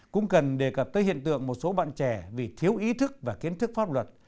cũng cần đề cập tới hiện tượng một số bạn trẻ vì thiếu ý thức và kiến thức pháp luật